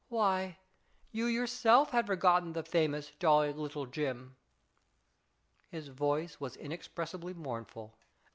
Why, you yourself had forgotten the famous Jolly Little Jim." His voice was inexpressibly mournful, and 270 IS IT A MAN?